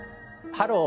「ハロー！